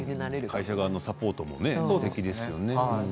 会社側のサポートもすてきですね。